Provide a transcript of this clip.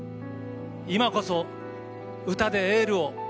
今こそ歌でエールを！